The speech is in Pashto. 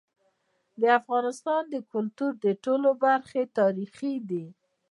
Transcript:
د افغانستان د کلتور ټولي برخي تاریخي دي.